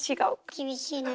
厳しいのよ。